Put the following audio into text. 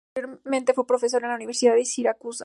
Anteriormente, fue profesor en la Universidad de Siracusa.